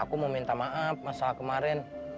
aku mau minta maaf masalah kemarin